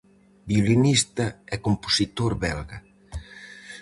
Violinista e compositor belga.